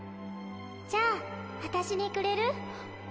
じゃあ私にくれる？